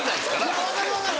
いや分かる分かる。